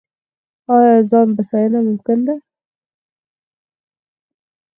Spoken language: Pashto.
آیا ځان بسیاینه ممکن ده؟